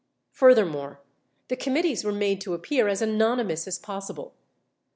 Furthermore, the committees were made to appear as anonymous as possible.